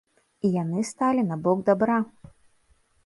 І яны сталі на бок дабра.